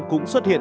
cũng xuất hiện